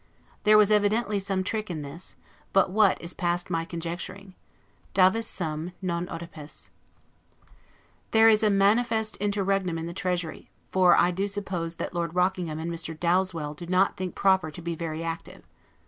There was evidently some trick in this, but what is past my conjecturing. 'Davus sum, non OEdipus'. There is a manifest interregnum in the Treasury; for I do suppose that Lord Rockingham and Mr. Dowdeswell will not think proper to be very active.